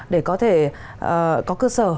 để có thể có cơ sở